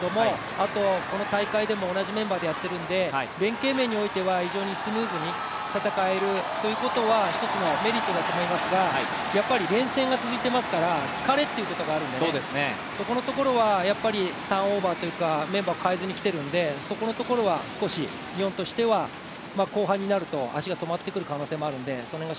あとこの大会でも同じメンバーでやっているので、連係面においては非常にスムーズに戦えるということは一つのメリットだと思いますがやっぱり連戦が続いていますから疲れということがあるのでそこのところはターンオーバーというかメンバーかえずにきてるんでそこのところは、少し日本としては後半になると足が止まってくる可能性があるので、その辺が